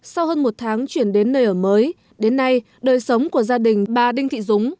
sau hơn một tháng chuyển đến nơi ở mới đến nay đời sống của gia đình bà đinh thị dúng